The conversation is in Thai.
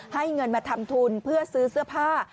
เงินมาทำทุนเพื่อซื้อเสื้อผ้า